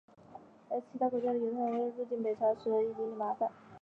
来自其他国家的犹太人在入境北朝鲜时亦经历到麻烦。